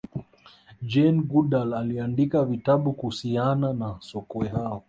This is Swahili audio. jane goodal aliandika vitabu kuhusiana na sokwe hao